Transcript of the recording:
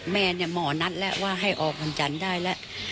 แม่เนี่ยหมอนัดแล้วว่าให้ออกวันจันทร์ได้แล้ว